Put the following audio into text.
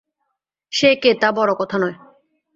সে কে তা বড় কথা নয়।